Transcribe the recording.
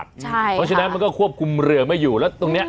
เพราะฉะนั้นมันก็ควบคุมเรือไม่อยู่แล้วตรงนี้